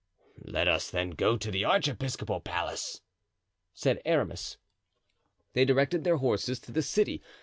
"Let us then go to the archiepiscopal palace," said Aramis. They directed their horses to the city.